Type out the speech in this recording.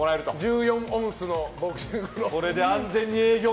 １４オンスのボクシンググローブ。